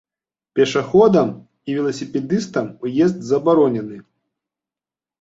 Пешаходам і веласіпедыстам уезд забаронены.